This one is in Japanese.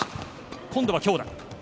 今度は強打。